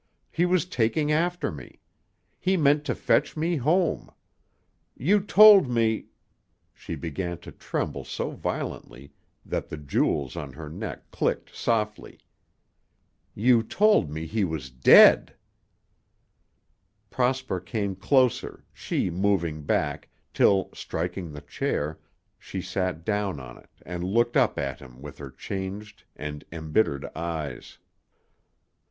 He was taking after me. He meant to fetch me home. You told me" she began to tremble so violently that the jewels on her neck clicked softly "you told me he was dead." Prosper came closer, she moving back, till, striking the chair, she sat down on it and looked up at him with her changed and embittered eyes.